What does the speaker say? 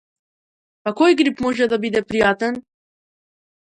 Па кој грип може да биде пријатен?